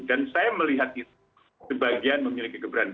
dan saya melihat itu sebagian memiliki keberanian